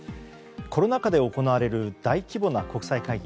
コロナ禍で行われる大規模な国際会議。